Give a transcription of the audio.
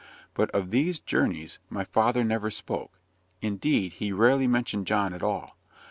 But of these journeys my father never spoke; indeed, he rarely mentioned John at all.